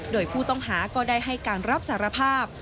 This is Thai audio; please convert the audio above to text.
โดยผู้ต้องหาก็ได้ให้การรับสารภาพ